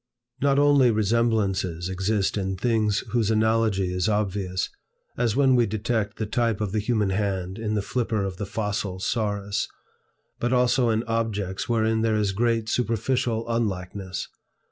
Not only resemblances exist in things whose analogy is obvious, as when we detect the type of the human hand in the flipper of the fossil saurus, but also in objects wherein there is great superficial unlikeness.